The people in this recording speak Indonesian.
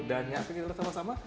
dan nyakitkan kita sama sama